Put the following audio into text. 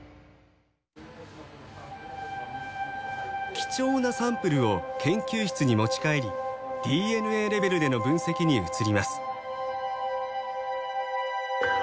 貴重なサンプルを研究室に持ち帰りＤＮＡレベルでの分析に移ります。